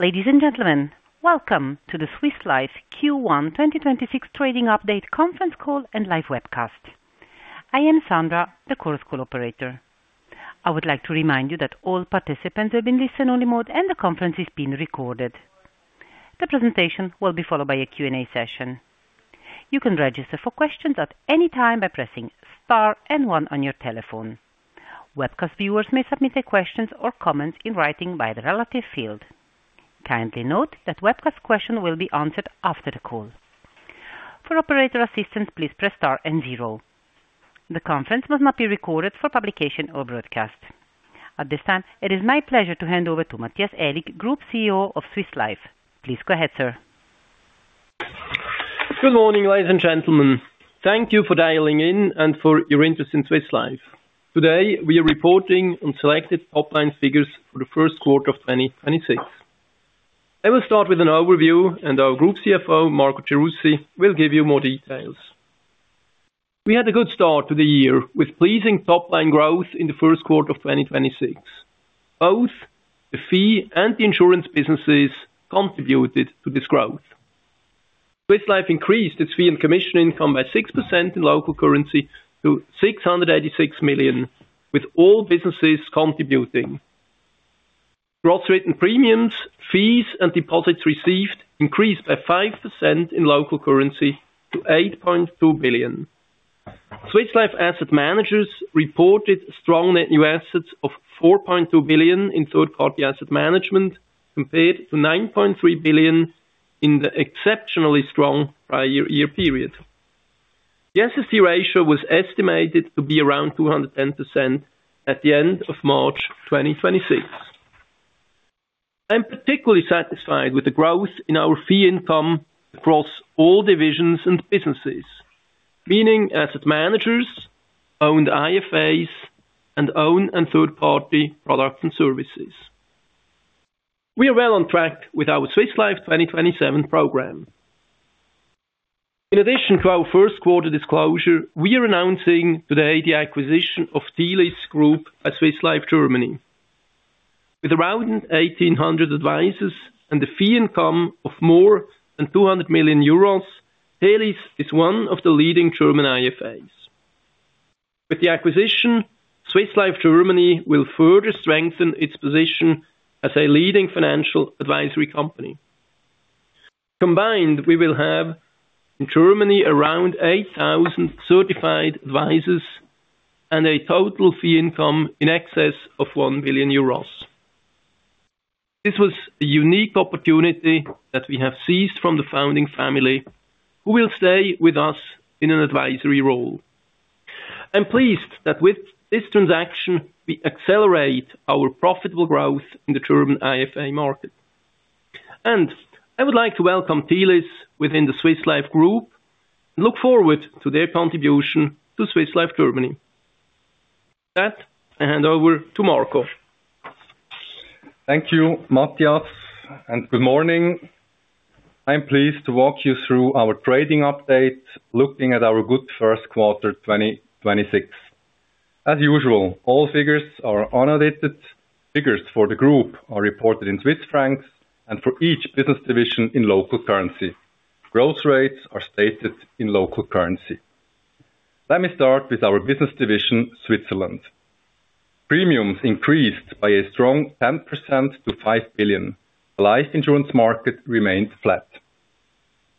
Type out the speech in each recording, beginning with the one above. Ladies and gentlemen, welcome to the Swiss Life Q1 2026 Trading Update conference call and live webcast. I am Sandra, the conference call operator. I would like to remind you that all participants have been placed on listen-only mode, and the conference is being recorded. The presentation will be followed by a Q&A session. You can register for questions at any time by pressing star one on your telephone. Webcast viewers may submit their questions or comments in writing by the relative field. Kindly note that webcast questions will be answered after the call. For operator assistance, please press star 0. The conference must not be recorded for publication or broadcast. At this time, it is my pleasure to hand over to Matthias Aellig, Group CEO of Swiss Life. Please go ahead, sir. Good morning, ladies and gentlemen. Thank you for dialing in and for your interest in Swiss Life. Today, we are reporting on selected top-line figures for the first quarter of 2026. I will start with an overview, and our Group CFO, Marco Gerussi, will give you more details. We had a good start to the year with pleasing top-line growth in the first quarter of 2026. Both the fee and the insurance businesses contributed to this growth. Swiss Life increased its fee and commission income by 6% in local currency to 686 million, with all businesses contributing. Gross written premiums, fees, and deposits received increased by 5% in local currency to 8.2 billion. Swiss Life Asset Managers reported strong net new assets of 4.2 billion in third-party asset management, compared to 9.3 billion in the exceptionally strong prior year period. The SST ratio was estimated to be around 210% at the end of March 2026. I'm particularly satisfied with the growth in our fee income across all divisions and businesses, meaning asset managers, owned IFAs, and owned and third-party products and services. We are well on track with our Swiss Life 2027 program. In addition to our first quarter disclosure, we are announcing today the acquisition of Telis Group at Swiss Life Germany. With around 1,800 advisors and a fee income of more than 200 million euros, Telis is one of the leading German IFAs. With the acquisition, Swiss Life Germany will further strengthen its position as a leading financial advisory company. Combined, we will have in Germany around 8,000 certified advisors and a total fee income in excess of 1 billion euros. This was a unique opportunity that we have seized from the founding family, who will stay with us in an advisory role. I'm pleased that with this transaction, we accelerate our profitable growth in the German IFA market. I would like to welcome Telis within the Swiss Life Group and look forward to their contribution to Swiss Life Germany. On that, I hand over to Marco. Thank you, Matthias, and good morning. I'm pleased to walk you through our trading update looking at our good first quarter 2026. As usual, all figures are unaudited. Figures for the group are reported in CHF and for each business division in local currency. Growth rates are stated in local currency. Let me start with our business division, Switzerland. Premiums increased by a strong 10% to 5 billion. Life insurance market remained flat.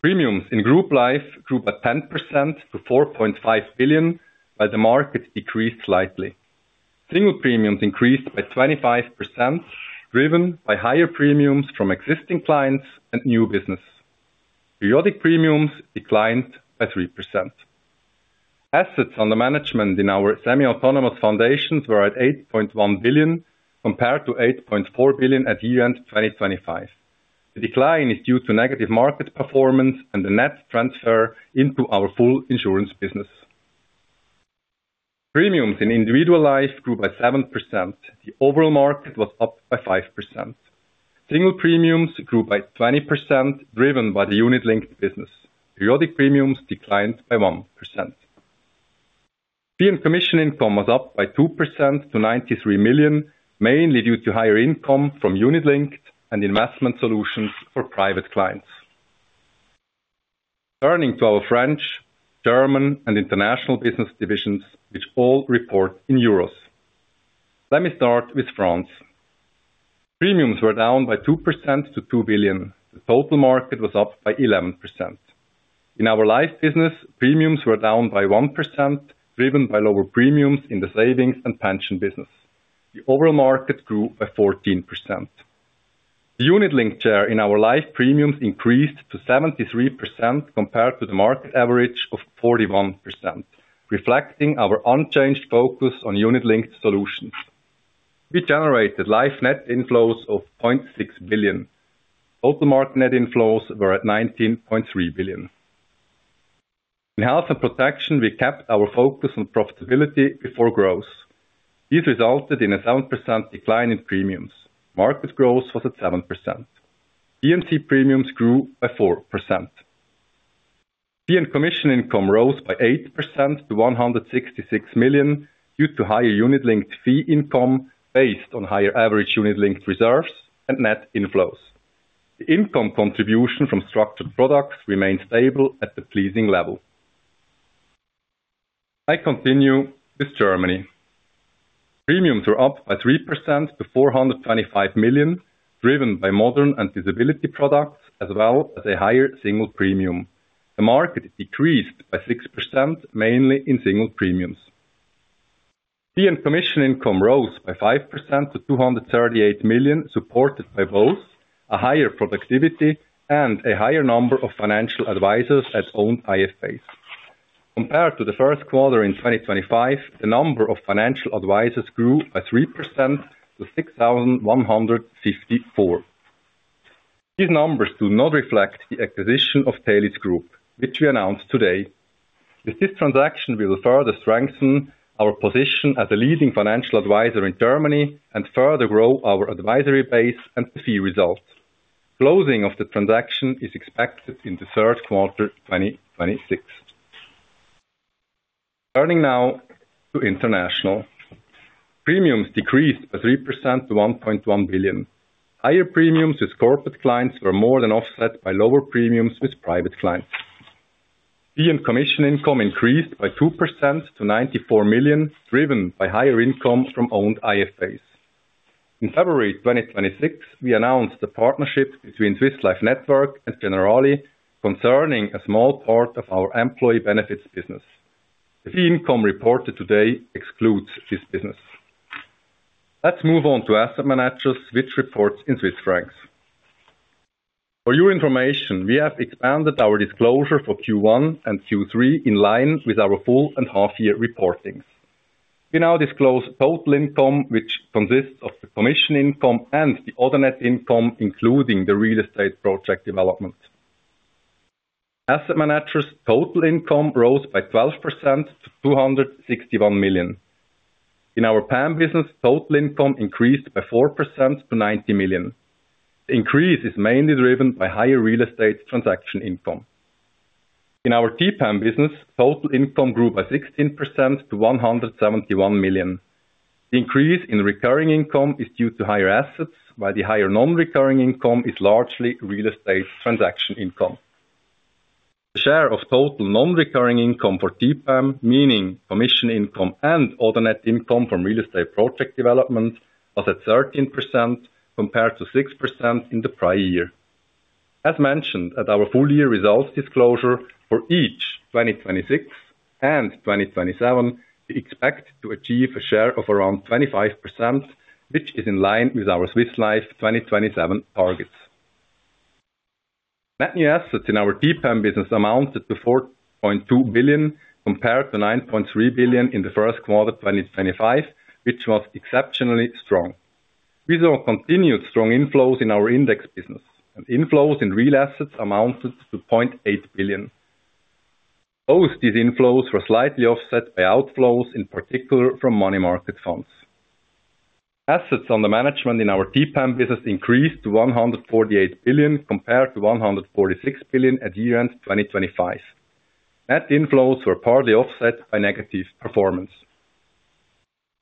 Premiums in group life grew by 10% to 4.5 billion, while the market decreased slightly. Single premiums increased by 25%, driven by higher premiums from existing clients and new business. Periodic premiums declined by 3%. Assets under management in our semi-autonomous foundations were at 8.1 billion, compared to 8.4 billion at year-end 2025. The decline is due to negative market performance and the net transfer into our full insurance business. Premiums in individual life grew by 7%. The overall market was up by 5%. Single premiums grew by 20%, driven by the unit-linked business. Periodic premiums declined by 1%. Fee and commission income was up by 2% to 93 million, mainly due to higher income from unit-linked and investment solutions for private clients. Turning to our French, German, and international business divisions, which all report in euros. Let me start with France. Premiums were down by 2% to 2 billion. The total market was up by 11%. In our Life business, premiums were down by 1%, driven by lower premiums in the savings and pension business. The overall market grew by 14%. The unit-linked share in our life premiums increased to 73%, compared to the market average of 41%, reflecting our unchanged focus on unit-linked solutions. We generated life net inflows of 0.6 billion. Total market net inflows were at 19.3 billion. In health and protection, we kept our focus on profitability before growth. This resulted in a 7% decline in premiums. Market growth was at 7%. P&C premiums grew by 4%. Fee and commission income rose by 8% to 166 million, due to higher unit-linked fee income based on higher average unit-linked reserves and net inflows. The income contribution from structured products remained stable at the pleasing level. I continue with Germany. Premiums were up by 3% to 425 million, driven by modern and disability products, as well as a higher single premium. The market decreased by 6%, mainly in single premiums. Fee and commission income rose by 5% to 238 million, supported by both a higher productivity and a higher number of financial advisors at owned IFAs. Compared to the first quarter in 2025, the number of financial advisors grew by 3% to 6,154. These numbers do not reflect the acquisition of Telis Group, which we announced today. With this transaction, we will further strengthen our position as a leading financial advisor in Germany and further grow our advisory base and the fee result. Closing of the transaction is expected in the third quarter 2026. Turning now to international. Premiums decreased by 3% to 1.1 billion. Higher premiums with corporate clients were more than offset by lower premiums with private clients. Fee and commission income increased by 2% to 94 million, driven by higher income from owned IFAs. In February 2026, we announced the partnership between Swiss Life Network and Generali concerning a small part of our employee benefits business. The fee income reported today excludes this business. Let's move on to Asset Managers, which reports in Swiss franc. For your information, we have expanded our disclosure for Q1 and Q3 in line with our full and half-year reportings. We now disclose total income, which consists of the commission income and the other net income, including the real estate project development. Asset Managers' total income rose by 12% to 261 million. In our PAM business, total income increased by 4% to 90 million. The increase is mainly driven by higher real estate transaction income. In our TPAM business, total income grew by 16% to 171 million. The increase in recurring income is due to higher assets, while the higher non-recurring income is largely real estate transaction income. The share of total non-recurring income for TPAM, meaning commission income and other net income from real estate project development, was at 13% compared to 6% in the prior year. As mentioned at our full year results disclosure, for each 2026 and 2027, we expect to achieve a share of around 25%, which is in line with our Swiss Life 2027 targets. Net new assets in our TPAM business amounted to 4.2 billion, compared to 9.3 billion in the first quarter of 2025, which was exceptionally strong. We saw continued strong inflows in our index business, and inflows in real assets amounted to 0.8 billion. Both these inflows were slightly offset by outflows, in particular from money market funds. Assets under management in our TPAM business increased to 148 billion compared to 146 billion at year-end 2025. Net inflows were partly offset by negative performance.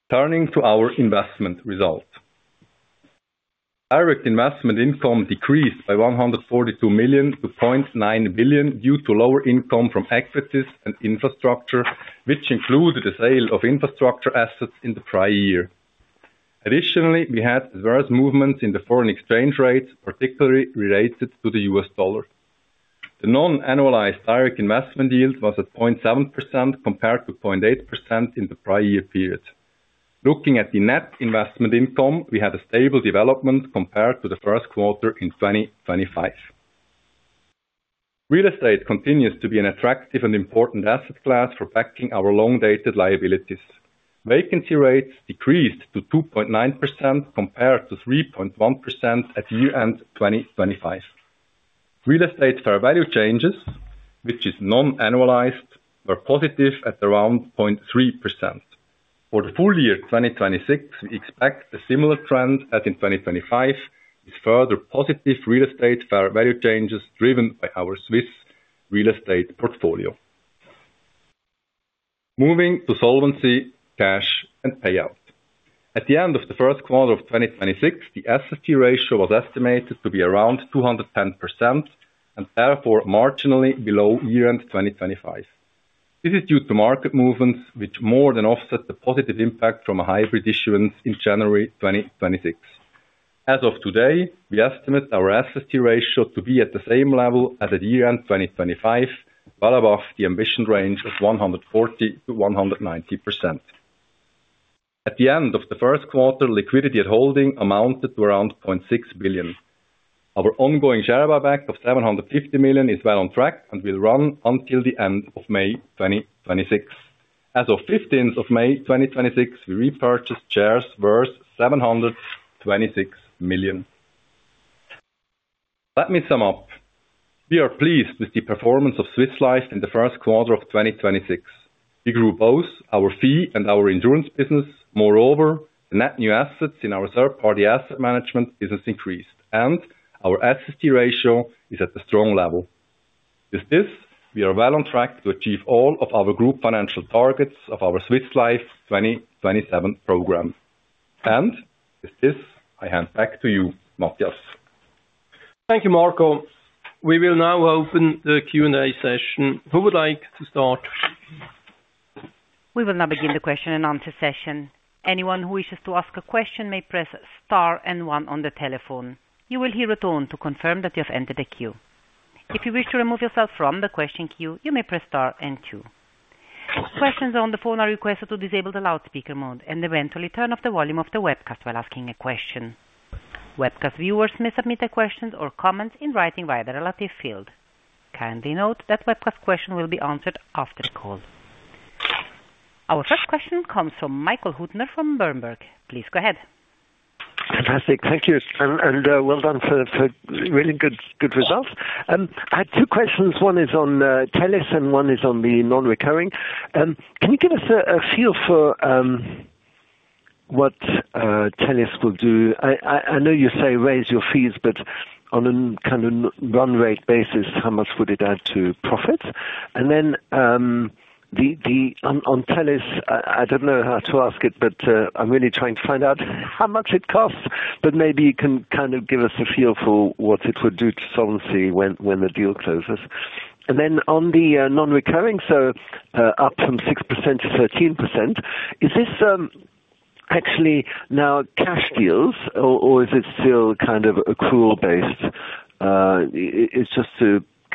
Turning to our investment result. Direct investment income decreased by 142 million to 0.9 billion due to lower income from equities and infrastructure, which included the sale of infrastructure assets in the prior year. Additionally, we had various movements in the foreign exchange rates, particularly related to the U.S. dollar. The non-annualized direct investment yield was at 0.7% compared to 0.8% in the prior year period. Looking at the net investment income, we had a stable development compared to the first quarter in 2025. Real estate continues to be an attractive and important asset class for backing our long-dated liabilities. Vacancy rates decreased to 2.9% compared to 3.1% at year-end 2025. Real estate fair value changes, which is non-annualized, were positive at around 0.3%. For the full year 2026, we expect a similar trend as in 2025, with further positive real estate fair value changes driven by our Swiss real estate portfolio. Moving to solvency, cash, and payout. At the end of the first quarter of 2026, the SST ratio was estimated to be around 210% and therefore marginally below year-end 2025. This is due to market movements which more than offset the positive impact from a hybrid issuance in January 2026. As of today, we estimate our SST ratio to be at the same level as at year-end 2025, well above the ambition range of 140%-190%. At the end of the first quarter, liquidity at holding amounted to around 0.6 billion. Our ongoing share buyback of 750 million is well on track and will run until the end of May 2026. As of 15th of May 2026, we repurchased shares worth 726 million. Let me sum up. We are pleased with the performance of Swiss Life in the first quarter of 2026. We grew both our fee and our insurance business. The net new assets in our Third-Party Asset Management business increased, and our SST ratio is at a strong level. With this, we are well on track to achieve all of our group financial targets of our Swiss Life 2027 program. With this, I hand back to you, Matthias. Thank you, Marco. We will now open the Q&A session. Who would like to start? We will now begin the question and answer session. Anyone who wishes to ask a question may press star and one on the telephone. You will hear a tone to confirm that you have entered a queue. If you wish to remove yourself from the question queue, you may press star and two. Questions on the phone are requested to disable the loudspeaker mode and eventually turn off the volume of the webcast while asking a question. Webcast viewers may submit their questions or comments in writing via the relative field. Kindly note that webcast question will be answered after the call. Our first question comes from Michael Huttner from Berenberg. Please go ahead. Fantastic. Thank you. Well done for really good results. I had two questions. One is on Telis and one is on the non-recurring. Can you give us a feel for what Telis will do? I know you say raise your fees, but on a kind of run rate basis, how much would it add to profit? On Telis, I don't know how to ask it, but I'm really trying to find out how much it costs, but maybe you can kind of give us a feel for what it would do to solvency when the deal closes. On the non-recurring, so up from 6%-13%, is this actually now cash deals or is it still kind of accrual based?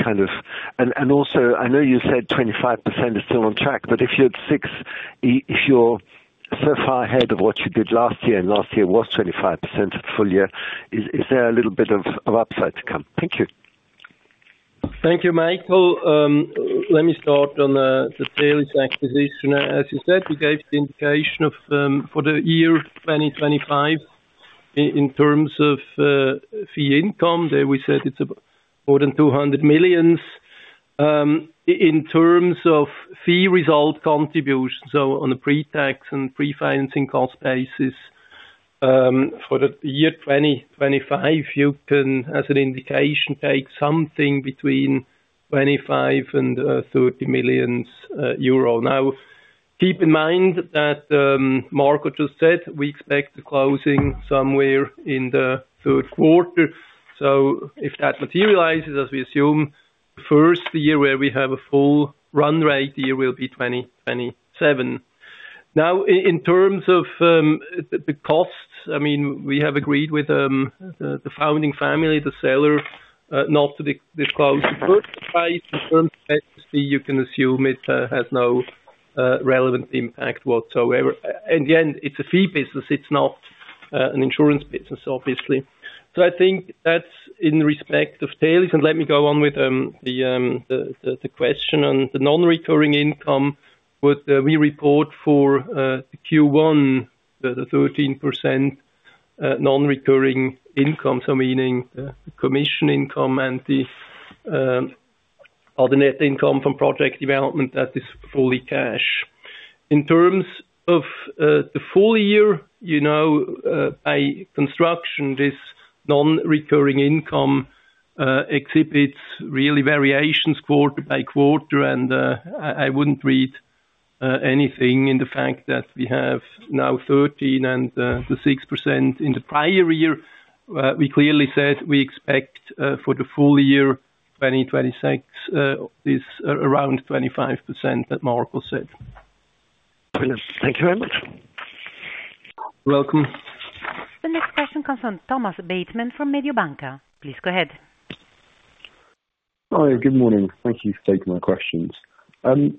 Also, I know you said 25% is still on track, but if you're six, if you're so far ahead of what you did last year, and last year was 25% at full year, is there a little bit of upside to come? Thank you. Thank you, Michael. Let me start on the Telis acquisition. As you said, we gave the indication for the year 2025 in terms of fee income. There, we said it's more than 200 million. In terms of fee result contribution, so on a pre-tax and pre-financing cost basis, for the year 2025, you can, as an indication, take something between 25 million and 30 million euro. Keep in mind that Marco just said we expect the closing somewhere in the third quarter. If that materializes as we assume, the first year where we have a full run rate year will be 2027. In terms of the costs, we have agreed with the founding family, the seller, not to disclose the purchase price. In terms of SST, you can assume it has no relevant impact whatsoever. In the end, it's a fee business. It's not an insurance business, obviously. I think that's in respect of Telis. Let me go on with the question on the non-recurring income, what we report for Q1, the 13% non-recurring income, meaning the commission income and the other net income from real estate project development that is fully cash. In terms of the full year, by construction, this non-recurring income exhibits really variations quarter-by-quarter. I wouldn't read anything in the fact that we have now 13% and the 6% in the prior year. We clearly said we expect for the full year 2026 is around 25% that Marco said. Brilliant. Thank you very much. You're welcome. The next question comes from Thomas Bateman from Mediobanca. Please go ahead. Hi, good morning. Thank you for taking my questions. Could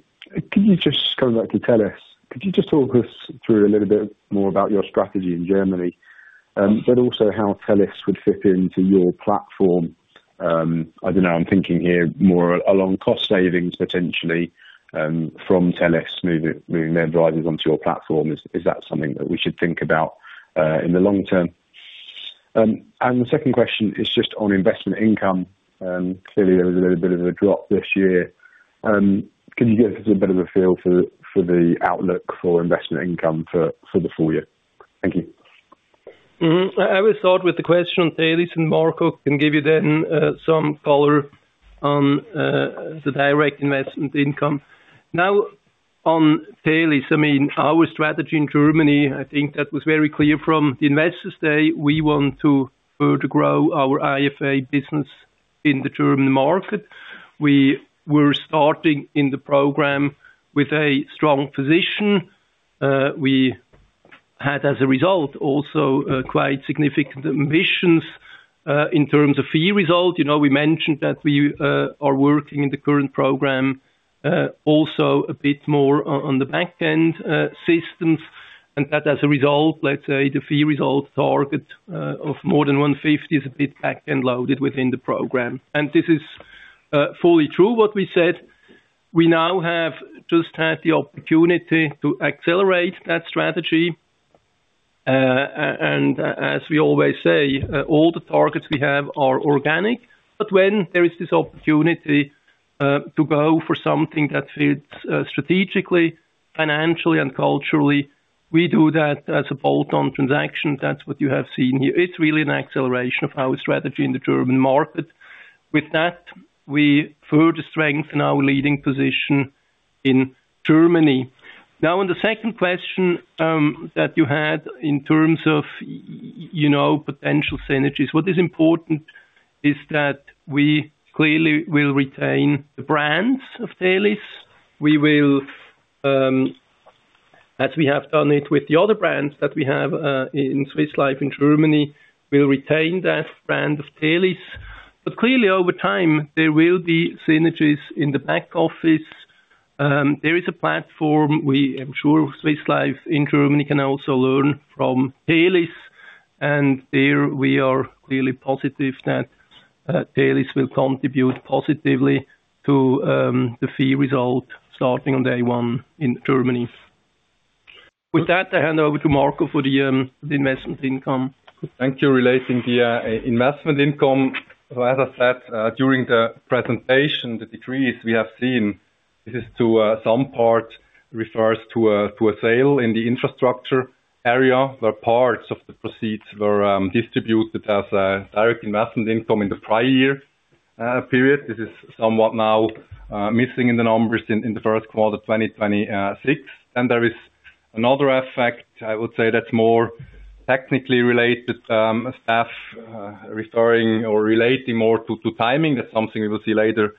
you just come back to Telis? Could you just talk us through a little bit more about your strategy in Germany, but also how Telis would fit into your platform? I don't know, I'm thinking here more along cost savings potentially from Telis moving their drivers onto your platform. Is that something that we should think about in the long-term? The second question is just on investment income. Clearly, there was a little bit of a drop this year. Could you give us a bit of a feel for the outlook for investment income for the full year? Thank you. I will start with the question on Telis, and Marco can give you then some color on the direct investment income. On Telis, our strategy in Germany, I think that was very clear from the investors' day. We want to further grow our IFA business in the German market. We were starting in the program with a strong position. We had as a result, also quite significant ambitions in terms of fee result. We mentioned that we are working in the current program also a bit more on the back-end systems, and that as a result, let's say the fee result target of more than 150 is a bit back-end loaded within the program. This is fully true what we said. We now have just had the opportunity to accelerate that strategy. As we always say, all the targets we have are organic. When there is this opportunity to go for something that fits strategically, financially, and culturally, we do that as a bolt-on transaction. That's what you have seen here. It's really an acceleration of our strategy in the German market. With that, we further strengthen our leading position in Germany. On the second question that you had in terms of potential synergies, what is important is that we clearly will retain the brands of Telis. As we have done it with the other brands that we have in Swiss Life in Germany, we'll retain that brand of Telis. Clearly, over time, there will be synergies in the back office. There is a platform we are sure Swiss Life in Germany can also learn from Telis, and there we are clearly positive that Telis will contribute positively to the fee result starting on day one in Germany. With that, I hand over to Marco for the investment income. Thank you. Relating the investment income. As I said during the presentation, the decrease we have seen, this is to some part refers to a sale in the infrastructure area, where parts of the proceeds were distributed as a direct investment income in the prior year period. This is somewhat now missing in the numbers in the first quarter 2026. There is another effect, I would say that's more technically related, staff restoring or relating more to timing. That's something we will see later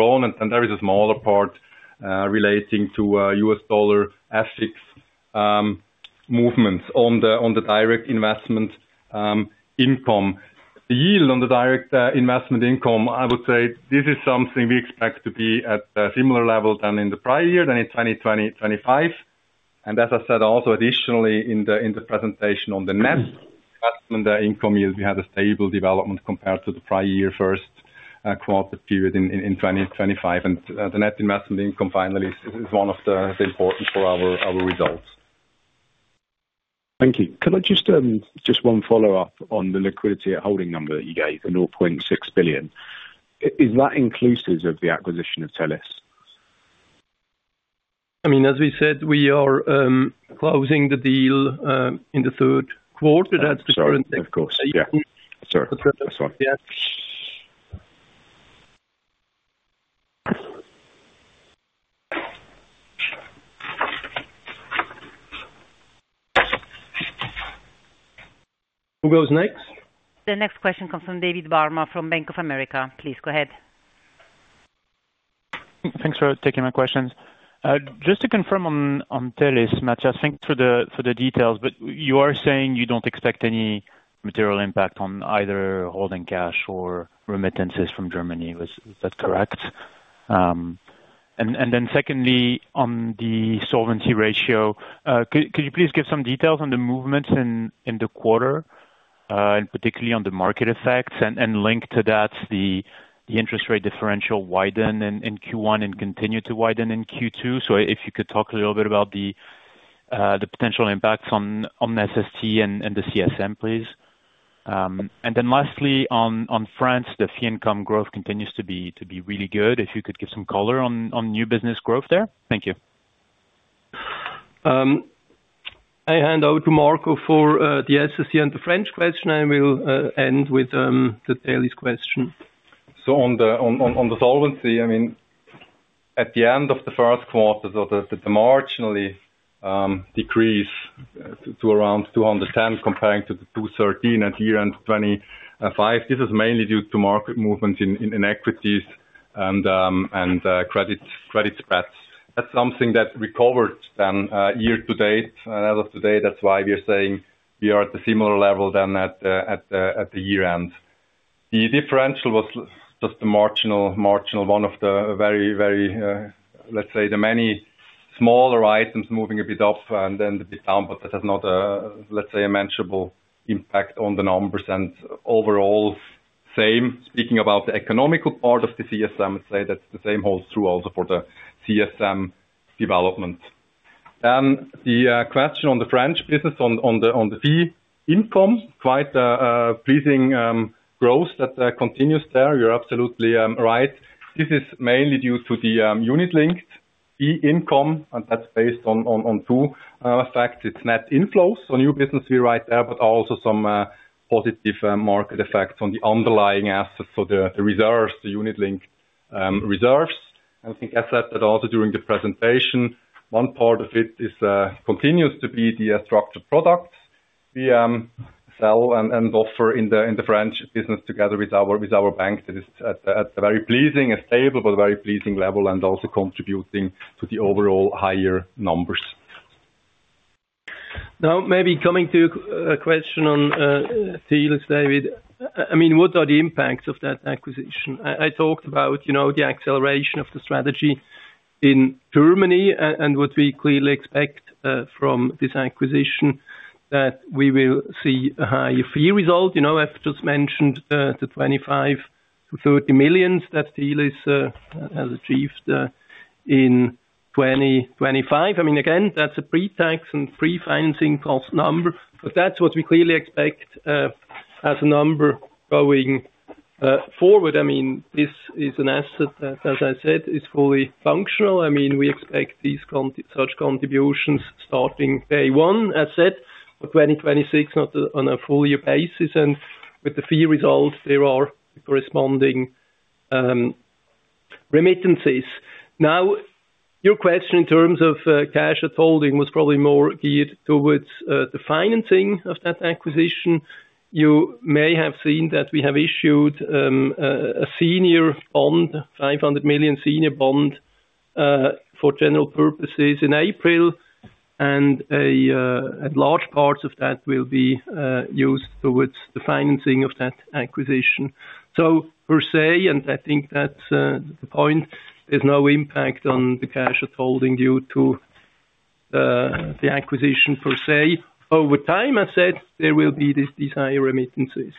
on. There is a smaller part relating to U.S. dollar FX movements on the direct investment income. The yield on the direct investment income, I would say this is something we expect to be at a similar level than in the prior year, than in 2025. As I said, also additionally in the presentation on the net investment income yield, we had a stable development compared to the prior year first quarter period in 2025. The net investment income finally is one of the important for our results. Thank you. Could I just one follow-up on the liquidity at holding number that you gave, the 0.6 billion. Is that inclusive of the acquisition of Telis? As we said, we are closing the deal in the third quarter. Of course. Yeah. Sorry. That's all. Yeah. Who goes next? The next question comes from David Barma from Bank of America. Please go ahead. Thanks for taking my questions. Just to confirm on Telis, Matthias, thanks for the details. You are saying you don't expect any material impact on either holding cash or remittances from Germany. Is that correct? Secondly, on the solvency ratio, could you please give some details on the movements in the quarter, and particularly on the market effects? Linked to that, the interest rate differential widened in Q1 and continued to widen in Q2. If you could talk a little bit about the potential impacts on SST and the CSM, please. Lastly on France, the fee income growth continues to be really good. If you could give some color on new business growth there. Thank you. I hand over to Marco for the SST and the French question. I will end with the Telis question. On the solvency, at the end of the first quarter, the marginally decrease to around 210 comparing to the 213 at year-end 2025. This is mainly due to market movement in equities and credit spreads. That's something that recovered then year-to-date as of today. That's why we are saying we are at the similar level than at the year-end. The differential was just a marginal one of the very, let's say, the many smaller items moving a bit up and then a bit down, but that has not a, let's say, a measurable impact on the numbers. Overall, same speaking about the economical part of the CSM, I'd say that the same holds true also for the CSM development. The question on the French business on the fee income. Quite a pleasing growth that continues there. You're absolutely right. This is mainly due to the unit-linked fee income, and that's based on two factors. It's net inflows, new business fee right there, but also some positive market effects on the underlying assets for the reserves, the unit-linked reserves. I think I said that also during the presentation. One part of it continues to be the structured products we sell and offer in the French business together with our bank that is at a very pleasing, stable, but very pleasing level and also contributing to the overall higher numbers. Maybe coming to a question on Telis, David. What are the impacts of that acquisition? I talked about the acceleration of the strategy in Germany and what we clearly expect from this acquisition, that we will see a higher fee result. I've just mentioned the 25 million-30 million that deal is has achieved in 2025. Again, that's a pre-tax and pre-financing cost number, but that's what we clearly expect as a number going forward. This is an asset that, as I said, is fully functional. We expect such contributions starting day one, as said, for 2026, not on a full year basis. With the fee results there are corresponding remittances. Your question in terms of cash at holding was probably more geared towards the financing of that acquisition. You may have seen that we have issued a senior bond, 500 million senior bond, for general purposes in April, and a large part of that will be used towards the financing of that acquisition. Per se, and I think that's the point, there's no impact on the cash it's holding due to the acquisition, per se. Over time, I said, there will be these higher remittances.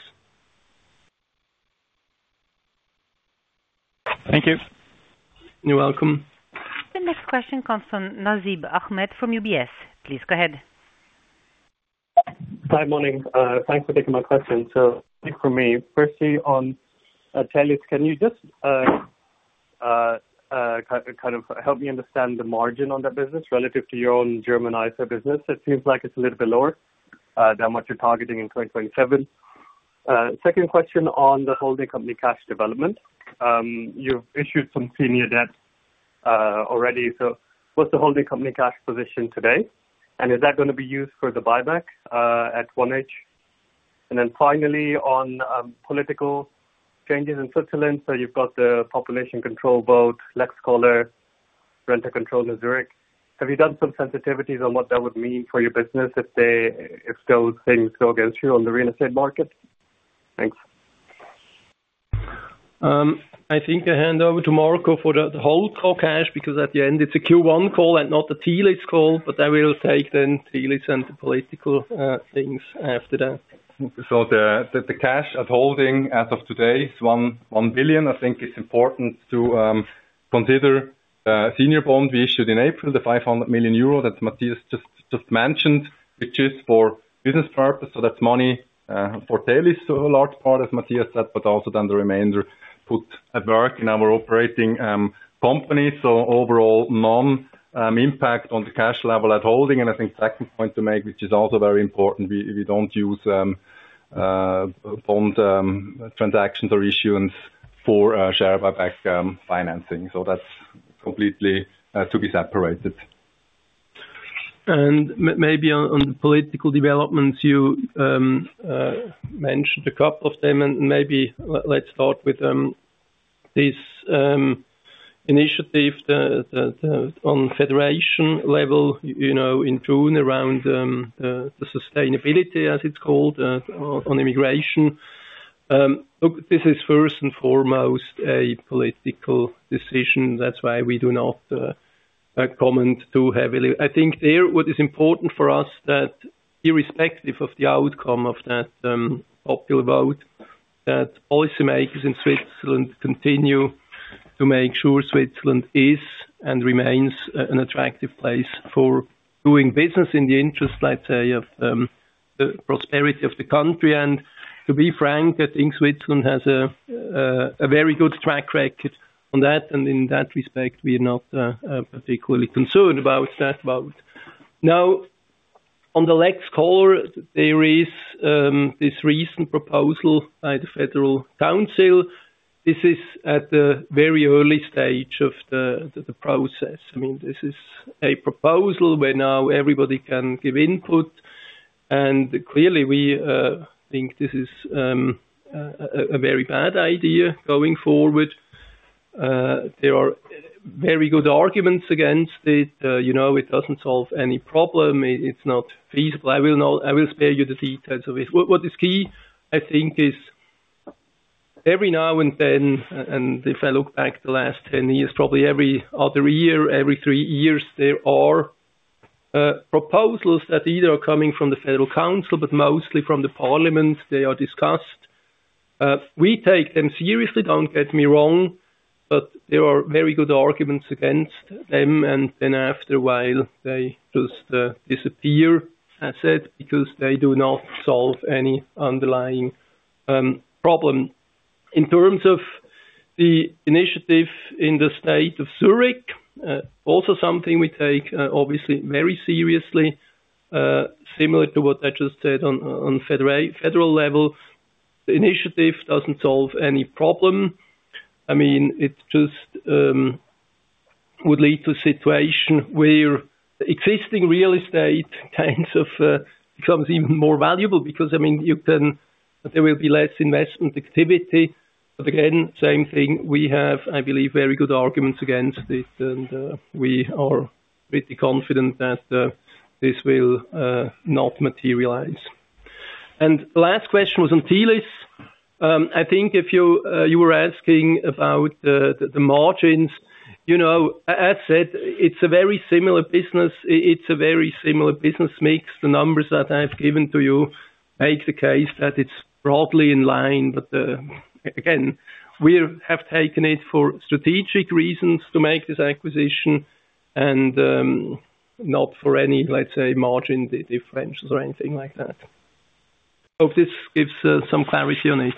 Thank you. You're welcome. The next question comes from Nasib Ahmed from UBS. Please go ahead. Hi, morning. Thanks for taking my question. Think for me, firstly on Telis, can you just kind of help me understand the margin on that business relative to your own German IFA business? It seems like it's a little bit lower than what you're targeting in Swiss Life 2027. Second question on the holding company cash development. You've issued some senior debt already. What's the holding company cash position today? Is that going to be used for the buyback at 1H? Finally on political changes in Switzerland. You've got the population control vote, Lex Koller, renter control in Zurich. Have you done some sensitivities on what that would mean for your business if those things go against you on the real estate market? Thanks. I think I hand over to Marco for the whole call cash, because at the end, it's a Q1 call and not a Telis call, but I will take then Telis and the political things after that. The cash as holding as of today is 1 billion. I think it's important to consider a senior bond we issued in April, the 500 million euro that Matthias just mentioned, which is for business purpose. That's money for Telis, so a large part, as Matthias said, but also the remainder put at work in our operating company. Overall no impact on the cash level at holding. I think second point to make, which is also very important, we don't use bond transactions or issuance for share buyback financing. That's completely to be separated. Maybe on political developments, you mentioned a couple of them, and maybe let's start with this initiative on federation level in June around the sustainability, as it's called, on immigration. Look, this is first and foremost a political decision. That's why we do not comment too heavily. I think there what is important for us that irrespective of the outcome of that popular vote, that policymakers in Switzerland continue to make sure Switzerland is and remains an attractive place for doing business in the interest, let's say, of the prosperity of the country. To be frank, I think Switzerland has a very good track record on that. In that respect, we are not particularly concerned about that vote. Now, on the Lex Koller, there is this recent proposal by the Federal Council. This is at the very early stage of the process. This is a proposal where now everybody can give input. Clearly we think this is a very bad idea going forward. There are very good arguments against it. It doesn't solve any problem. It's not feasible. I will spare you the details of it. What is key, I think, is every now and then, and if I look back the last 10 years, probably every other year, every three years, there are proposals that either are coming from the Federal Council, but mostly from the parliament. They are discussed. We take them seriously, don't get me wrong, but there are very good arguments against them, and then after a while, they just disappear, as said, because they do not solve any underlying problem. In terms of the initiative in the state of Zurich, also something we take obviously very seriously, similar to what I just said on federal level, the initiative doesn't solve any problem. It just would lead to a situation where existing real estate kinds of becomes even more valuable because there will be less investment activity. Again, same thing, we have, I believe, very good arguments against it. We are pretty confident that this will not materialize. Last question was on Telis. I think if you were asking about the margins. As said, it's a very similar business. It's a very similar business mix. The numbers that I've given to you make the case that it's broadly in line. Again, we have taken it for strategic reasons to make this acquisition and not for any, let's say, margin differences or anything like that. Hope this gives some clarity on it.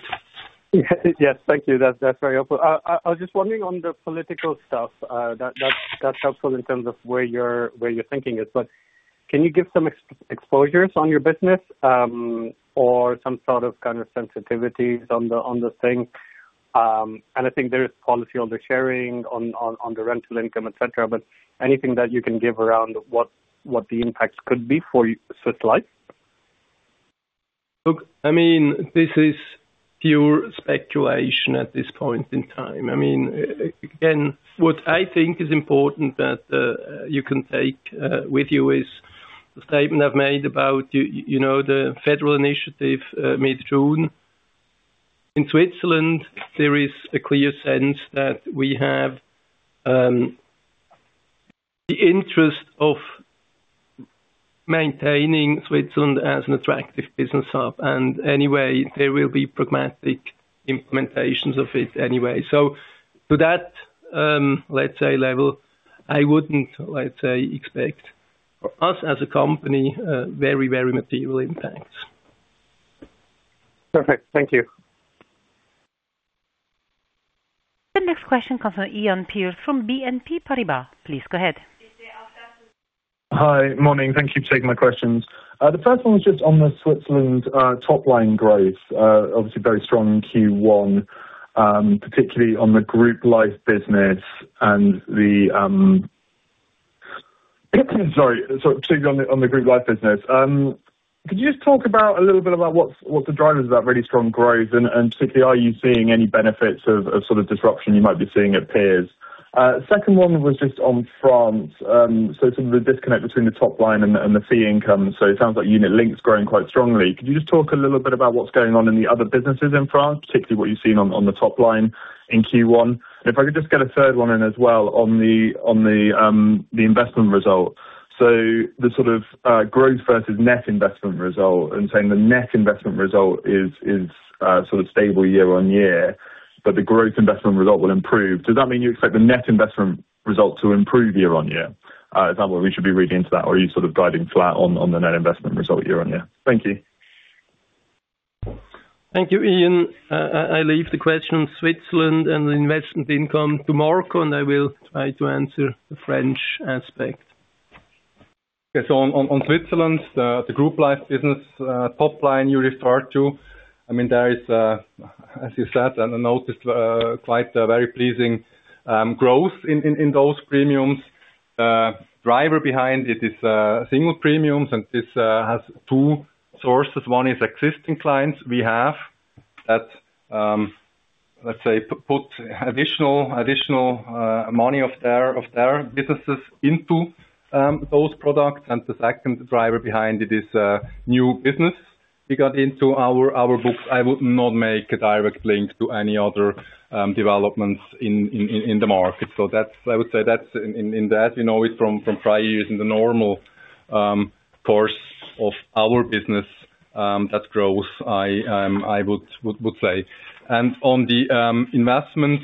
Yes. Thank you. That's very helpful. I was just wondering on the political stuff, that's helpful in terms of where your thinking is. Can you give some exposures on your business? Some sort of kind of sensitivities on the thing? I think there is policy on the sharing, on the rental income, et cetera, but anything that you can give around what the impact could be for Swiss Life? Look, this is pure speculation at this point in time. What I think is important that you can take with you is the statement I've made about the federal initiative mid-June. In Switzerland, there is a clear sense that we have the interest of maintaining Switzerland as an attractive business hub, anyway, there will be pragmatic implementations of it anyway. To that, let's say level, I wouldn't, let's say, expect for us as a company, very material impacts. Perfect. Thank you. The next question comes from Iain Pearce from BNP Paribas. Please go ahead. Hi. Morning. Thank you for taking my questions. The first one was just on the Switzerland top line growth. Obviously very strong in Q1, particularly on the group life business. Could you just talk a little bit about what's the drivers of that really strong growth, and particularly, are you seeing any benefits of sort of disruption you might be seeing at Pearce? Second one was just on France. Sort of the disconnect between the top line and the fee income. It sounds like unit link's growing quite strongly. Could you just talk a little bit about what's going on in the other businesses in France, particularly what you've seen on the top line in Q1? If I could just get a third one in as well on the investment result. The sort of growth versus net investment result and saying the net investment result is sort of stable year on year, but the growth investment result will improve. Does that mean you expect the net investment result to improve year on year? Is that what we should be reading into that, or are you sort of guiding flat on the net investment result year on year? Thank you. Thank you, Iain. I leave the question on Switzerland and the investment income to Marco, and I will try to answer the French aspect. Okay. On Switzerland, the group life business top line you referred to, there is, as you said, and noticed quite a very pleasing growth in those premiums. Driver behind it is single premiums. This has two sources. One is existing clients we have that, let's say, put additional money of their businesses into those products. The second driver behind it is new business we got into our books. I would not make a direct link to any other developments in the market. I would say that's in that, we know it from prior years in the normal course of our business. That growth, I would say. On the investment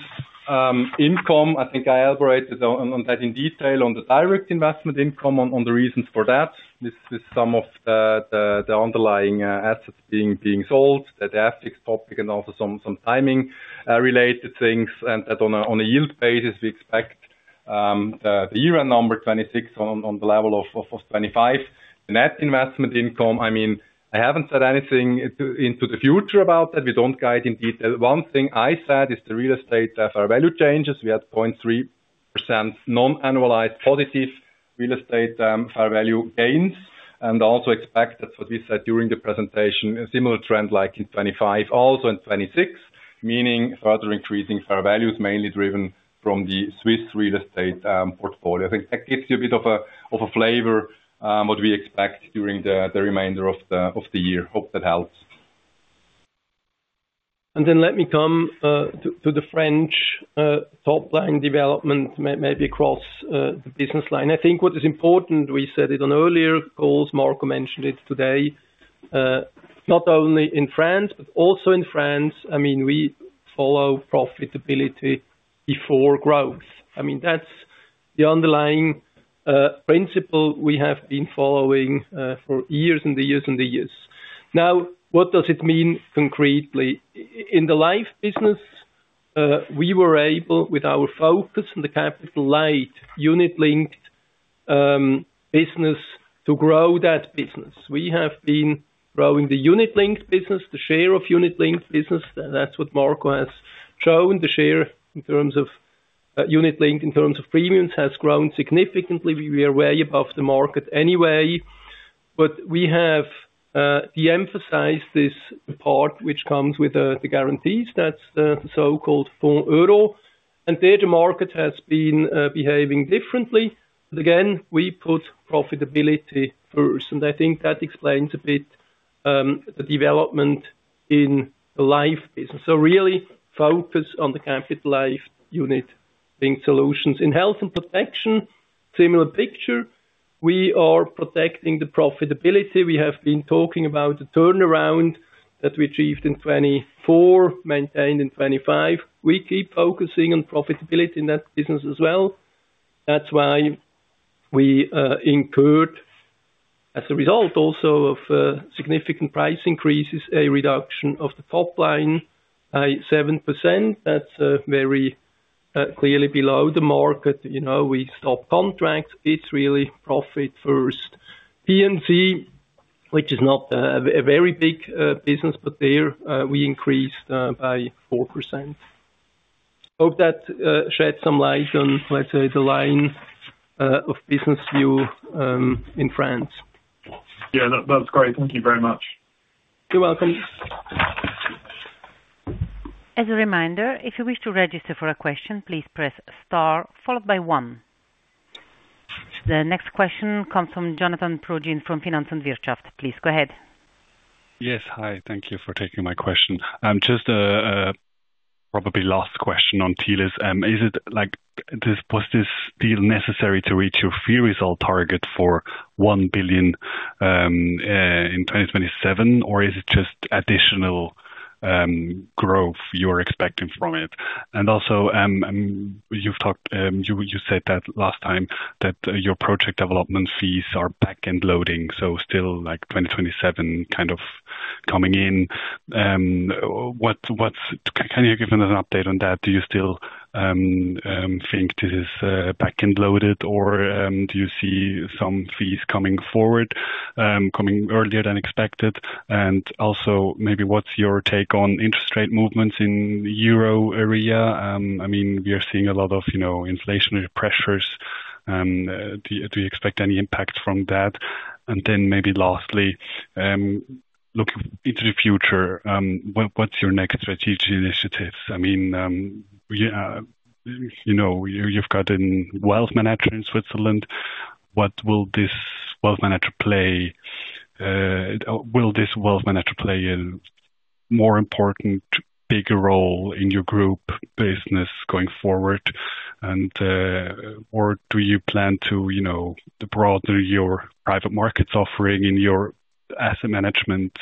income, I think I elaborated on that in detail on the direct investment income on the reasons for that. This is some of the underlying assets being sold, that ethics topic, and also some timing related things. On a yield basis, we expect the year-end number 2026 on the level of 2025. The net investment income, I haven't said anything into the future about that. We don't guide in detail. One thing I said is the real estate fair value changes. We had 0.3% non-annualized positive real estate fair value gains, and also expect that's what we said during the presentation, a similar trend like in 2025, also in 2026, meaning further increasing fair values mainly driven from the Swiss real estate portfolio. I think that gives you a bit of a flavor what we expect during the remainder of the year. Hope that helps. Then let me come to the French top-line development may be across the business line. I think what is important, we said it on earlier calls, Marco mentioned it today. Not only in France, but also in France, we follow profitability before growth. That's the underlying principle we have been following for years. What does it mean concretely? In the Life business, we were able, with our focus on the capital-light unit-linked business to grow that business. We have been growing the unit-linked business, the share of unit-linked business. That's what Marco has shown. The share in terms of unit-linked in terms of premiums has grown significantly. We are way above the market anyway, but we have de-emphasized this part which comes with the guarantees. That's the so-called Fonds Euro, and there the market has been behaving differently. Again, we put profitability first, and I think that explains a bit the development in the Life business. Really focus on the capital-light unit being solutions. In health and protection, similar picture, we are protecting the profitability. We have been talking about the turnaround that we achieved in 2024, maintained in 2025. We keep focusing on profitability in that business as well. That's why we incurred, as a result also of significant price increases, a reduction of the top line by 7%. That's very clearly below the market. We stop contracts. It's really profit first. P&C, which is not a very big business, but there, we increased by 4%. I hope that sheds some light on, let's say, the line of business view in France. Yeah, that's great. Thank you very much. You're welcome. As a reminder, if you wish to register for a question, please press star followed by one. The next question comes from Jonathan Progin from Finanz und Wirtschaft. Please go ahead. Hi, thank you for taking my question. Probably last question on Telis. Was this deal necessary to reach your fee result target for 1 billion in 2027? Is it just additional growth you're expecting from it? Also, you said that last time that your real estate project development fees are back-end loading, so still like 2027 kind of coming in. Can you give us an update on that? Do you still think this is back-end loaded, do you see some fees coming forward, coming earlier than expected? Also maybe what's your take on interest rate movements in the euro area? We are seeing a lot of inflationary pressures. Do you expect any impact from that? Maybe lastly, looking into the future, what's your next strategic initiatives? You've got a wealth manager in Switzerland. Will this wealth manager play a more important, bigger role in your group business going forward? Or do you plan to broaden your private markets offering in your asset management?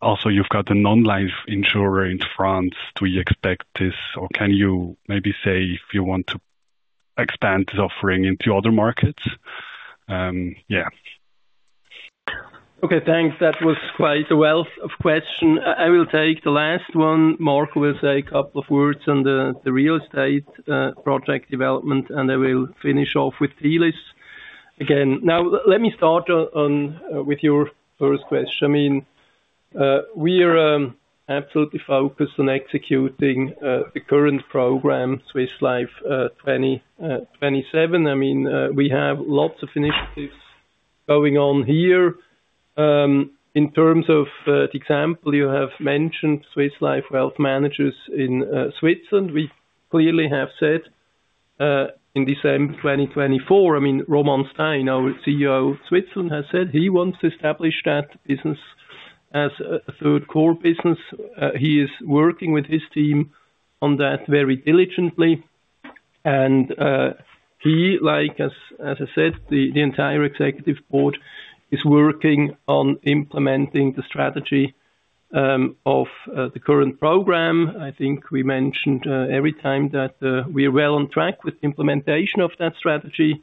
Also you've got a non-life insurer in France. Do you expect this, or can you maybe say if you want to expand this offering into other markets? Yeah. Okay, thanks. That was quite a wealth of question. I will take the last one. Marco will say a couple of words on the real estate project development. I will finish off with Telis again. Let me start with your first question. We are absolutely focused on executing the current program, Swiss Life 2027. We have lots of initiatives going on here. In terms of the example you have mentioned, Swiss Life Wealth Managers in Switzerland, we clearly have said, in December 2024, Roman Stein, our CEO of Switzerland, has said he wants to establish that business as a third core business. He, as I said, the entire executive board is working on implementing the strategy of the current program. I think we mentioned every time that we are well on track with the implementation of that strategy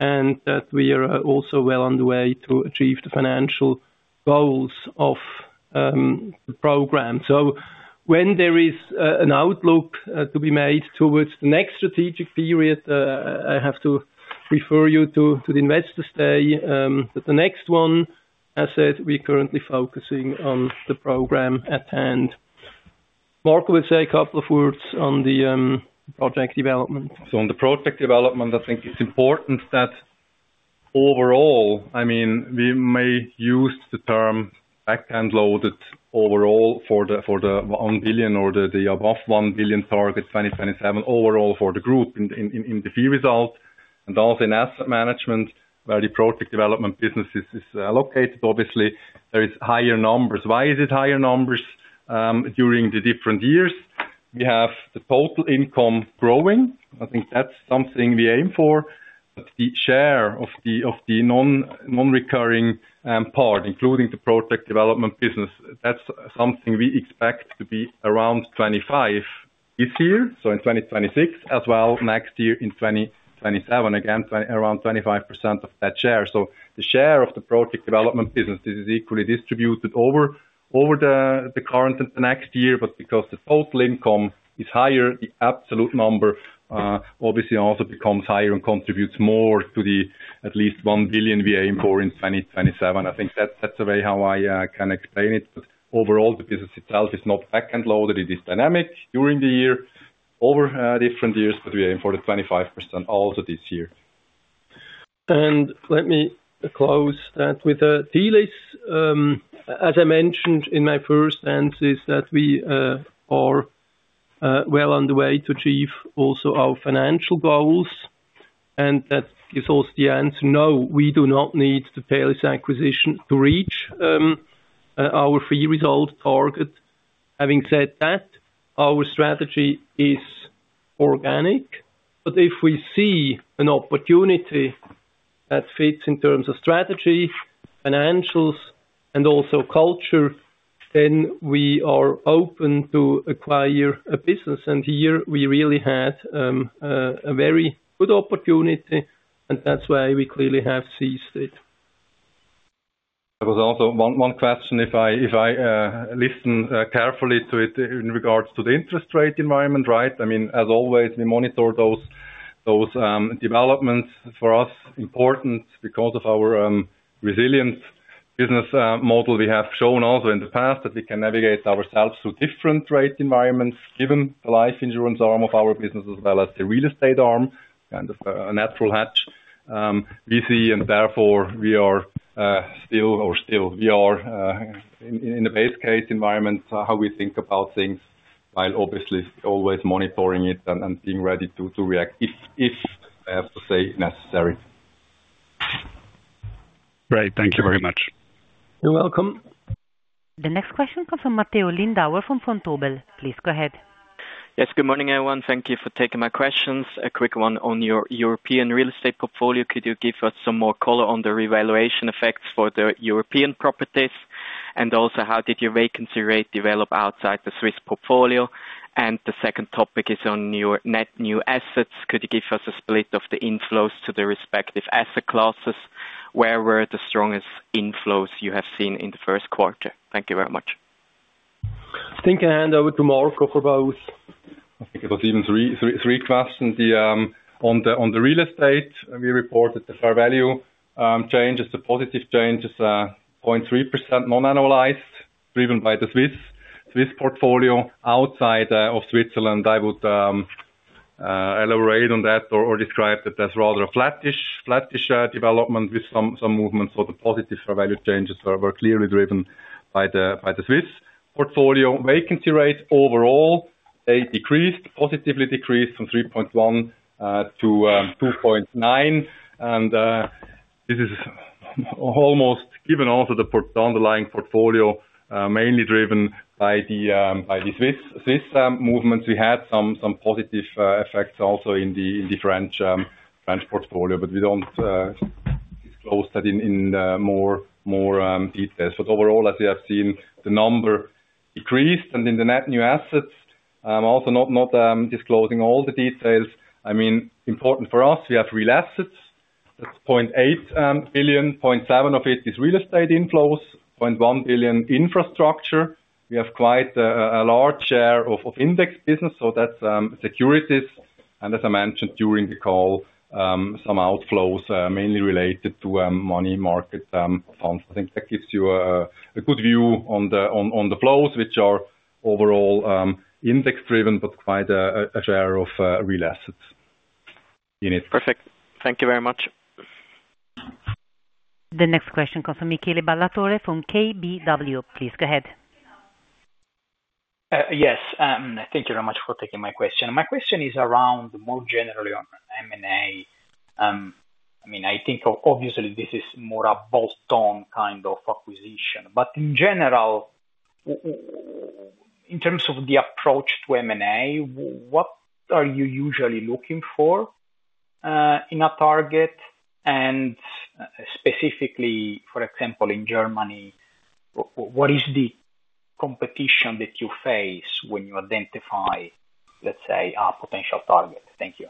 and that we are also well on the way to achieve the financial goals of the program. When there is an outlook to be made towards the next strategic period, I have to refer you to the investor's day. The next one, as said, we're currently focusing on the program at hand. Marco will say a couple of words on the project development. On the project development, I think it's important that overall, we may use the term back-end loaded overall for the 1 billion or the above 1 billion target 2027 overall for the group in the fee result and also in asset management where the project development business is allocated. Obviously, there is higher numbers. Why is it higher numbers? During the different years, we have the total income growing. I think that's something we aim for. The share of the non-recurring part, including the project development business, that's something we expect to be around 25 this year, so in 2026 as well, next year in 2027, again, around 25% of that share. The share of the project development business is equally distributed over the current and the next year. Because the total income is higher, the absolute number obviously also becomes higher and contributes more to the at least 1 billion we are aim for in 2027. I think that's the way how I can explain it. Overall, the business itself is not back-end loaded. It is dynamic during the year, over different years, but we aim for the 25% also this year. Let me close that with the Telis. As I mentioned in my first answer, we are well on the way to achieve also our financial goal. That gives us the answer. No, we do not need the Palus acquisition to reach our fee result target. Having said that, our strategy is organic, if we see an opportunity that fits in terms of strategy, financials, and also culture, then we are open to acquire a business. Here we really had a very good opportunity, and that's why we clearly have seized it. There was also one question if I listen carefully to it in regards to the interest rate environment, right? As always, we monitor those developments. For us, important because of our resilient business model. We have shown also in the past that we can navigate ourselves through different rate environments given the life insurance arm of our business as well as the real estate arm, kind of a natural hedge. We see and therefore we are in the base case environment, how we think about things, while obviously always monitoring it and being ready to react if necessary. Great. Thank you very much. You're welcome. The next question comes from Matteo Lindauer from Vontobel. Please go ahead. Yes, good morning, everyone. Thank you for taking my questions. A quick one on your European real estate portfolio. Could you give us some more color on the revaluation effects for the European properties? Also, how did your vacancy rate develop outside the Swiss portfolio? The second topic is on your net new assets. Could you give us a split of the inflows to the respective asset classes? Where were the strongest inflows you have seen in the first quarter? Thank you very much. I think I hand over to Marco for both. I think it was even three questions. On the real estate, we reported the fair value change as a positive change as a 0.3% non-annualized, driven by the Swiss portfolio. Outside of Switzerland, I would elaborate on that or describe it as rather a flattish development with some movements or the positive fair value changes that were clearly driven by the Swiss portfolio. Vacancy rates overall, they decreased, positively decreased from 3.1 to 2.9. This is almost given also the underlying portfolio, mainly driven by the Swiss system movements. We had some positive effects also in the French portfolio. We don't disclose that in more details. Overall, as you have seen, the number decreased. In the net new assets, also not disclosing all the details. Important for us, we have real assets. That's 0.8 billion. 0.7 of it is real estate inflows, 0.1 billion infrastructure. We have quite a large share of index business, so that's securities. As I mentioned during the call, some outflows, mainly related to money market funds. I think that gives you a good view on the flows, which are overall index-driven, but quite a share of real assets in it. Perfect. Thank you very much. The next question comes from Michele Ballatore on KBW. Please go ahead. Yes. Thank you very much for taking my question. My question is around more generally on M&A. I think, obviously, this is more a bolt-on kind of acquisition. In general, in terms of the approach to M&A, what are you usually looking for in a target? Specifically, for example, in Germany, what is the competition that you face when you identify, let's say, a potential target? Thank you.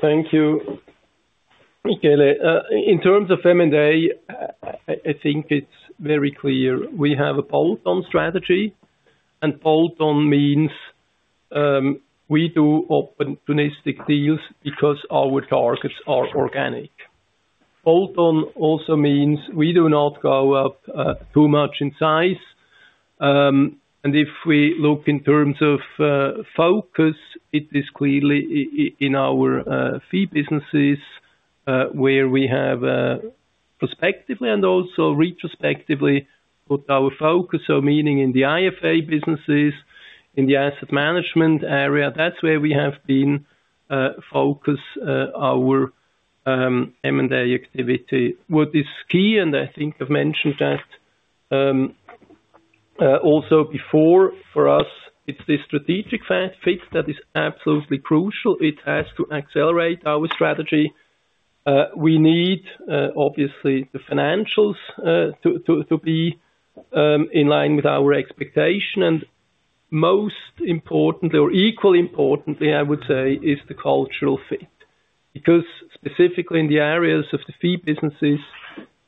Thank you, Michele. In terms of M&A, I think it's very clear. We have a bolt-on strategy, and bolt-on means we do opportunistic deals because our targets are organic. Bolt-on also means we do not go up too much in size. If we look in terms of focus, it is clearly in our fee businesses where we have perspectively and also retrospectively put our focus our meaning in the IFA businesses, in the Asset Management area. That's where we have been focus our M&A activity. What is key, and I think I've mentioned that also before, for us, it's the strategic fit that is absolutely crucial. It has to accelerate our strategy. We need, obviously, the financials to be in line with our expectation. Most important or equally importantly, I would say, is the cultural fit. Specifically in the areas of the fee businesses,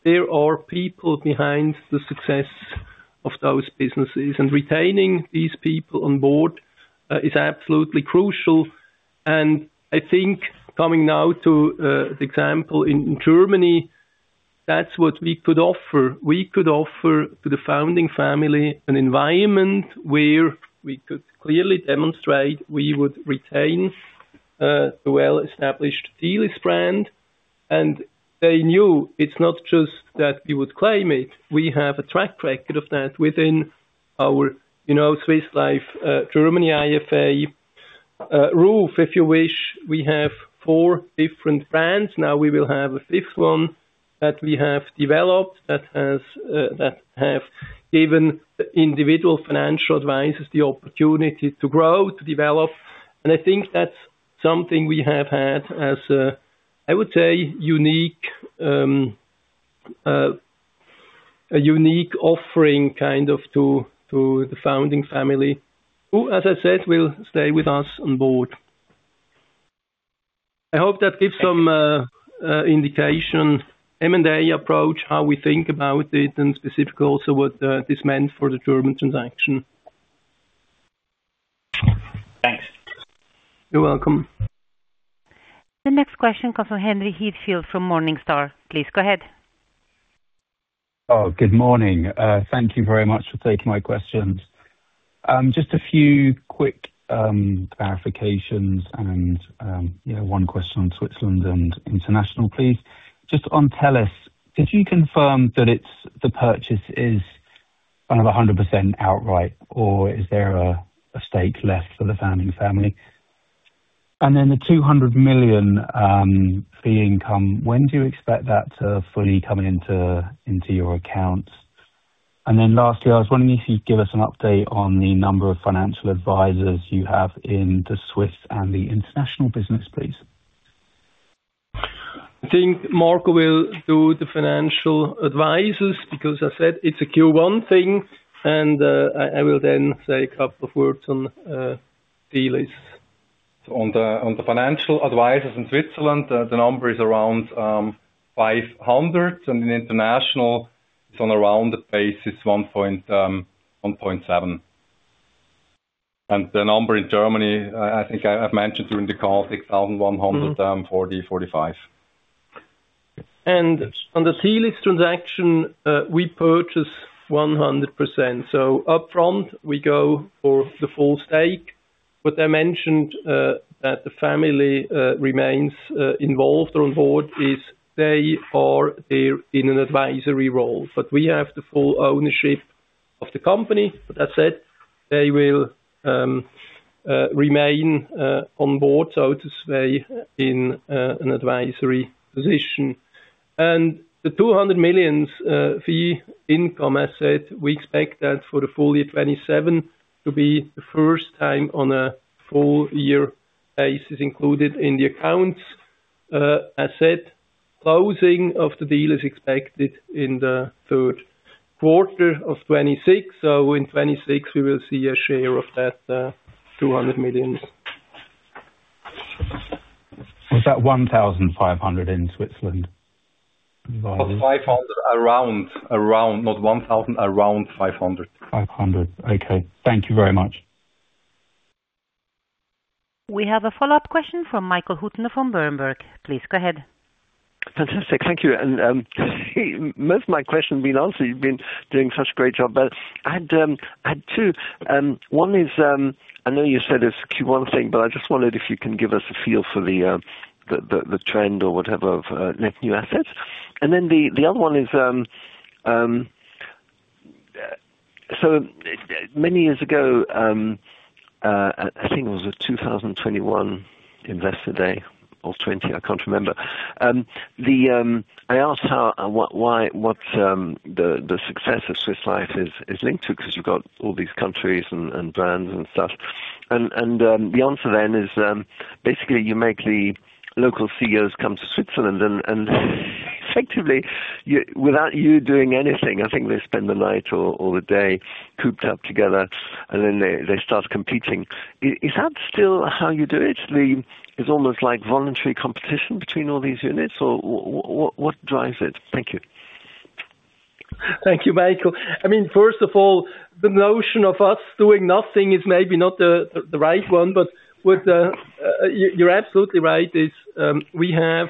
there are people behind the success of those businesses, and retaining these people on board is absolutely crucial. I think coming now to the example in Germany, that's what we could offer. We could offer to the founding family an environment where we could clearly demonstrate we would retain a well-established Telis brand. They knew it's not just that we would claim it. We have a track record of that within our Swiss Life Germany IFA roof, if you wish. We have four different brands. Now we will have a fifth one that we have developed that have given individual financial advisors the opportunity to grow, to develop. I think that's something we have had as, I would say, a unique offering to the founding family, who, as I said, will stay with us on board. I hope that gives some indication, M&A approach, how we think about it, and specifically also what this meant for the German transaction. Thanks. You're welcome. The next question comes from Henry Heathfield from Morningstar. Please go ahead. Good morning. Thank you very much for taking my questions. A few quick clarifications and one question on Switzerland and international, please. On Telis, could you confirm that the purchase is 100% outright, or is there a stake left for the founding family? The 200 million fee income, when do you expect that to fully come into your accounts? Lastly, I was wondering if you'd give us an update on the number of financial advisors you have in the Swiss and the international business, please. I think Marco will do the financial advisors, because as I said, it's a Q1 thing. I will then say a couple of words on Telis. On the financial advisors in Switzerland, the number is around 500, and in international, it's on a rounded basis, 1.7. The number in Germany, I think I've mentioned during the call, 6,140, 45. On the Telis transaction, we purchased 100%. Upfront, we go for the full stake. I mentioned that the family remains involved on board, they are there in an advisory role, but we have the full ownership of the company. That said, they will remain on board, so to say, in an advisory position. The 200 million fee income, as said, we expect that for the full year 2027 to be the first time on a full year basis included in the accounts. As said, closing of the deal is expected in the third quarter of 2026, so in 2026 we will see a share of that 200 million. Was that 1,500 in Switzerland? Not 500, around. Not 1,000, around 500. 500. Okay. Thank you very much. We have a follow-up question from Michael Huttner from Berenberg. Please go ahead. Fantastic. Thank you. Most of my questions have been answered. You've been doing such a great job. I had two. One is, I know you said it's a Q1 thing, but I just wondered if you can give us a feel for the trend or whatever of net new assets. The other one is, so many years ago, I think it was the 2021 Investor Day or 2020, I can't remember. I asked what the success of Swiss Life is linked to, because you've got all these countries and brands and stuff. The answer then is, basically, you make the local CEOs come to Switzerland, and effectively, without you doing anything, I think they spend the night or the day cooped up together, and then they start competing. Is that still how you do it? It's almost like voluntary competition between all these units, or what drives it? Thank you. Thank you, Michael. First of all, the notion of us doing nothing is maybe not the right one. You're absolutely right, is we have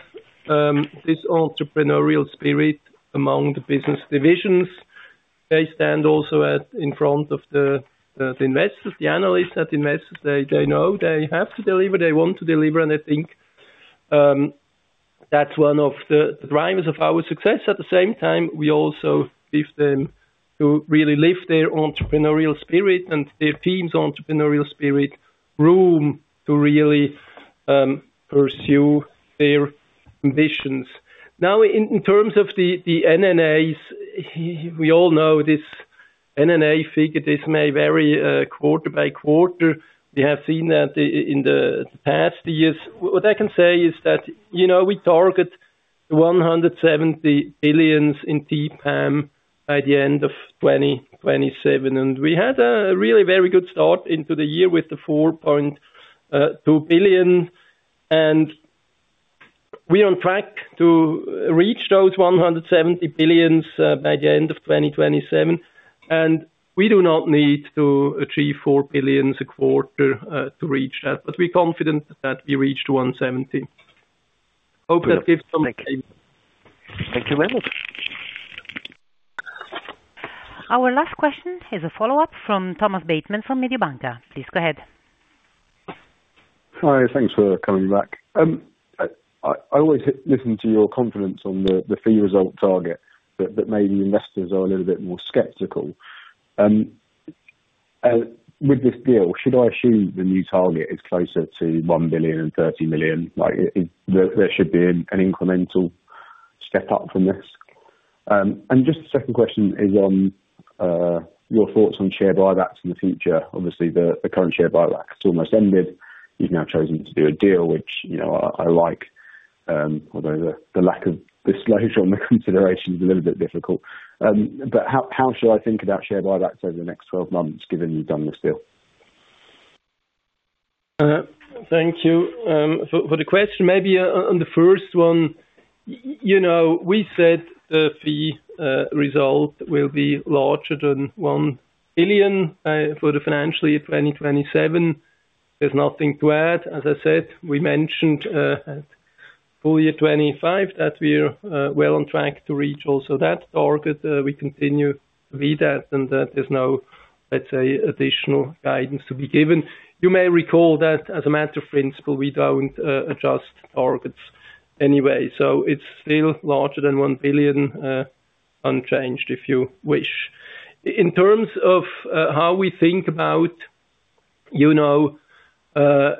this entrepreneurial spirit among the business divisions. They stand also in front of the investors, the analysts at investors. They know they have to deliver, they want to deliver, and I think that's one of the drivers of our success. At the same time, we also give them to really live their entrepreneurial spirit and their team's entrepreneurial spirit room to really pursue their ambitions. In terms of the NNAs, we all know this NNA figure, this may vary quarter-by-quarter. We have seen that in the past years. What I can say is that we target 170 billion in TPAM by the end of 2027, and we had a really very good start into the year with the 4.2 billion. We're on track to reach those 170 billion by the end of 2027. We do not need to achieve 4 billion a quarter to reach that. We're confident that we reach to 170 billion. Hope that gives some idea. Thank you. Thank you very much. Our last question is a follow-up from Thomas Bateman from Mediobanca. Please go ahead. Hi. Thanks for coming back. I always listen to your confidence on the fee result target, but maybe investors are a little bit more skeptical. With this deal, should I assume the new target is closer to 1 billion and 30 million? There should be an incremental step up from this. Just a second question is on your thoughts on share buybacks in the future. Obviously, the current share buyback has almost ended. You've now chosen to do a deal, which I like, although the lack of disclosure on the consideration is a little bit difficult. How should I think about share buybacks over the next 12 months given you've done this deal? Thank you. For the question, maybe on the first one, we said the fee result will be larger than 1 billion for FY 2027. There's nothing to add. As I said, we mentioned FY 2025 that we are well on track to reach also that target. We continue with that, and that is now, let's say, additional guidance to be given. You may recall that as a matter of principle, we don't adjust targets anyway, so it's still larger than 1 billion, unchanged, if you wish. In terms of how we think about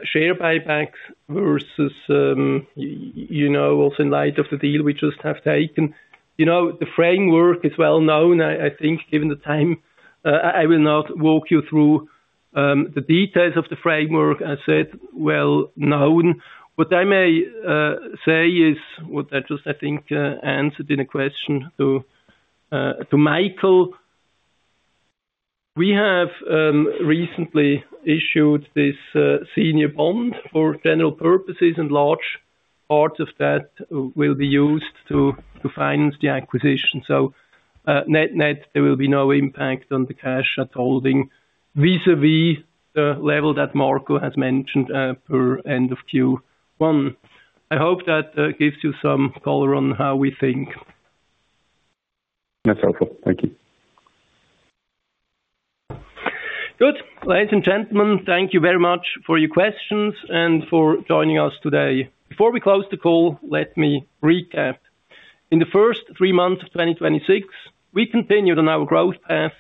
share buybacks versus also in light of the deal we just have taken, the framework is well-known, I think, given the time. I will not walk you through the details of the framework. I said, well-known. What I may say is what I just, I think, answered in a question to Michael Huttner. We have recently issued this senior bond for general purposes, and large parts of that will be used to finance the acquisition. Net-net, there will be no impact on the cash that's holding vis-a-vis the level that Marco has mentioned per end of Q1. I hope that gives you some color on how we think. That's helpful. Thank you. Good. Ladies and gentlemen, thank you very much for your questions and for joining us today. Before we close the call, let me recap. In the first three months of 2026, we continued on our growth path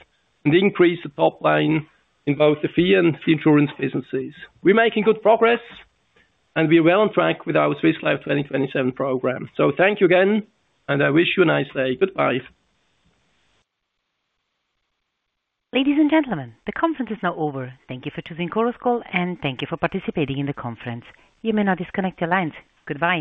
and increased the top line in both the fee and fee insurance businesses. We're making good progress, and we are well on track with our Swiss Life 2027 program. Thank you again, and I wish you a nice day. Goodbye. Ladies and gentlemen, the conference is now over. Thank you for choosing Chorus Call, and thank you for participating in the conference. You may now disconnect your lines. Goodbye.